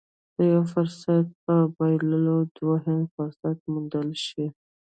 د يوه فرصت په بايللو دوهم فرصت موندلی شي.